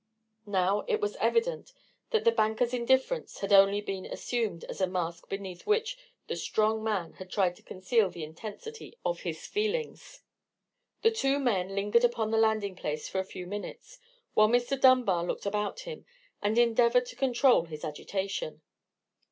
Now it was evident that the banker's indifference had only been assumed as a mask beneath which the strong man had tried to conceal the intensity of his feelings. The two men lingered upon the landing place for a few minutes; while Mr. Dunbar looked about him, and endeavoured to control his agitation.